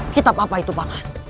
kitab apa itu pak man